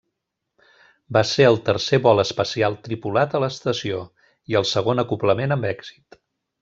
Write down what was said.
Va ser el tercer vol espacial tripulat a l'estació, i el segon acoblament amb èxit.